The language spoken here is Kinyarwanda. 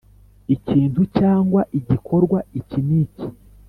ikintu cyangwa igikorwa iki n iki